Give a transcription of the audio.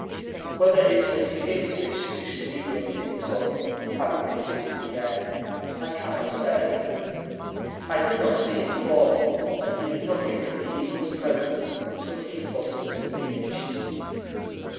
Whether it was his fish which the eagle had picked up (having missed it in the air) I cannot say. I did not see it fall, and knew nothing of the eagle's presence until he fluttered to the beach.